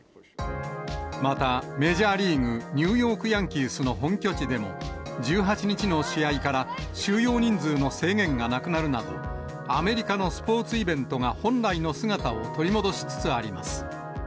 またメジャーリーグ・ニューヨークヤンキースの本拠地でも、１８日の試合から収容人数の制限がなくなるなど、アメリカのスポーツイベントが本来の姿を取り戻しつつあります。